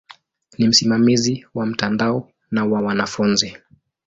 Ni msimamizi wa mtandao na wa wanafunzi.